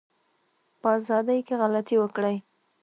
په ازادی کی غلطي وکړی